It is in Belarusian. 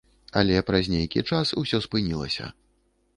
Але праз нейкі час усё спынілася.